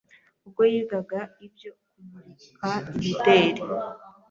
ubwo yigaga ibyo kumurika imideri,